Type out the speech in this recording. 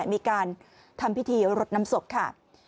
มีการทำพิธีรดน้ำศพค่ะ